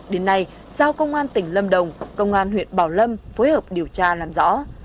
đến nay sao công an tỉnh lâm đồng công an huyện bảo lâm phối hợp điều tra làm rõ